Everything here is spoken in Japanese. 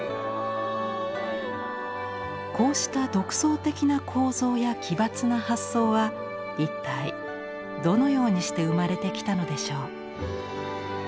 こうした独創的な構造や奇抜な発想は一体どのようにして生まれてきたのでしょう。